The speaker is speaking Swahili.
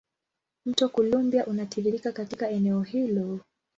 Mto Columbia unatiririka katika eneo hilo.